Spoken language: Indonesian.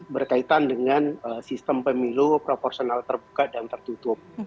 berkaitan dengan sistem pemilu proporsional terbuka dan tertutup